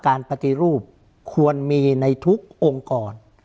ปฏิรูปควรมีในทุกองค์กร